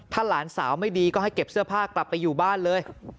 ถ้าหลานสาวไม่ดีก็ให้เก็บเสื้อผ้ากลับไปอยู่บ้านเลย